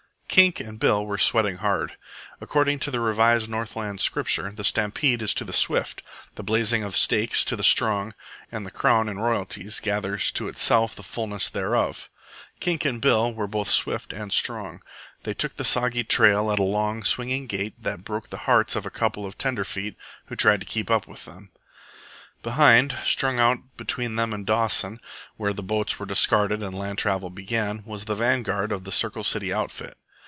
Kink and Bill were sweating hard. According to the revised Northland Scripture, the stampede is to the swift, the blazing of stakes to the strong, and the Crown in royalties, gathers to itself the fulness thereof. Kink and Bill were both swift and strong. They took the soggy trail at a long, swinging gait that broke the hearts of a couple of tender feet who tried to keep up with them. Behind, strung out between them and Dawson (where the boats were discarded and land travel began), was the vanguard of the Circle City outfit.